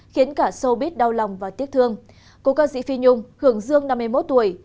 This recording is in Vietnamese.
khiến cả sâu bít đau lòng và tiếc thương cô ca sĩ phi nhung hưởng dương năm mươi một tuổi